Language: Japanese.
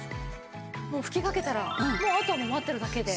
もう吹きかけたらあとはもう待ってるだけで。